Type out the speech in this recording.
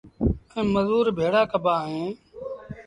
ائيٚݩ مزور ڀيڙآ ڪبآ اهيݩ